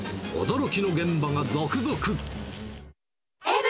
驚きの現場が続々。